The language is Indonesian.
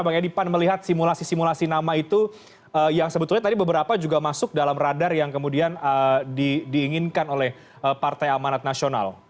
bang edipan melihat simulasi simulasi nama itu yang sebetulnya tadi beberapa juga masuk dalam radar yang kemudian diinginkan oleh partai amanat nasional